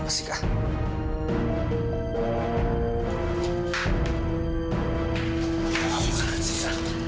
apa sih kak